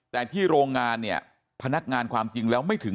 แต่ที่โรงงานเนี่ยพนักงานความจริงแล้วไม่ถึง